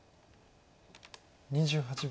２８秒。